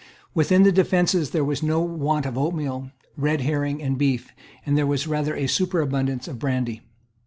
Within the defences there was no want of oatmeal, red herrings, and beef; and there was rather a superabundance of brandy.